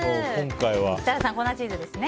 設楽さん、粉チーズですね。